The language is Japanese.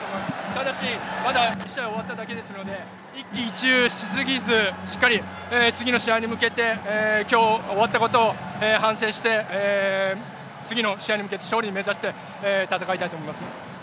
ただし、まだ１試合が終わっただけですので一喜一憂せずしっかり次の試合に向けて今日、終わったことを反省して次の試合に向けて勝利目指して戦いたいと思います。